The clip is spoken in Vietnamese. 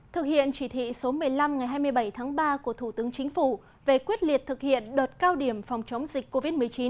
thực hiện chỉ thị số một mươi năm ngày hai mươi bảy tháng ba của thủ tướng chính phủ về quyết liệt thực hiện đợt cao điểm phòng chống dịch covid một mươi chín